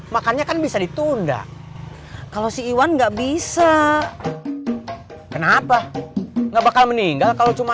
makannya kan bisa ditunda kalau si iwan enggak bisa kenapa enggak bakal meninggal kalau cuma